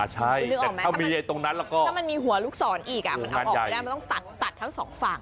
คุณลึกออกไหมถ้ามันมีหัวลูกศรอีกอ่ะมันเอาออกไปแล้วมันต้องตัดทั้งสองฝั่ง